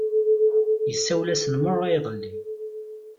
Isawel-asen meṛṛa iḍelli.